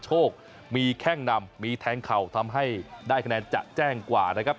โชคมีแข้งนำมีแทงเข่าทำให้ได้คะแนนจะแจ้งกว่านะครับ